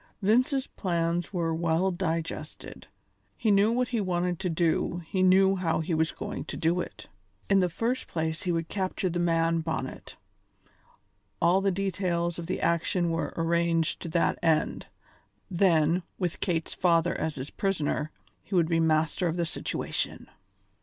Vince's plans were well digested; he knew what he wanted to do, he knew how he was going to do it. In the first place he would capture the man Bonnet; all the details of the action were arranged to that end; then, with Kate's father as his prisoner, he would be master of the situation.